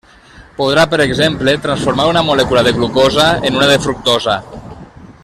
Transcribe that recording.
Podrà, per exemple, transformar una molècula de glucosa en una de fructosa.